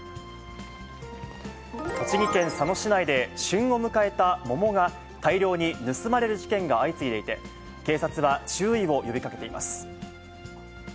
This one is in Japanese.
栃木県佐野市内で、旬を迎えた桃が大量に盗まれる事件が相次いでいて、警察は注意を呼びかけています。